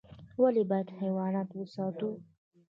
ولي بايد حيوانات وساتو؟